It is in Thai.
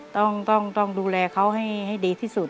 ต้องดูแลเขาให้ดีที่สุด